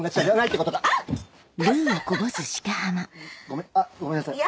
ごめあっごめんなさい。